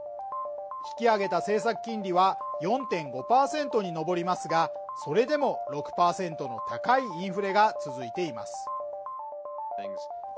引き上げた政策金利は４．５％にのぼりますが、それでも６％の高いインフレが続いています。